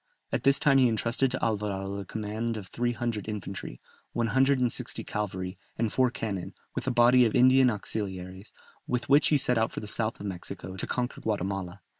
At this time he entrusted to Alvarado the command of three hundred infantry, one hundred and sixty cavalry, and four cannon, with a body of Indian auxiliaries, with which he set out for the south of Mexico, to conquer Guatemala.